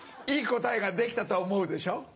いい答えが出来たと思うでしょ？